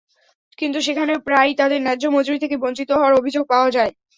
কিন্তু সেখানেও প্রায়ই তাঁদের ন্যায্য মজুরি থেকে বঞ্চিত হওয়ার অভিযোগ পাওয়া যায়।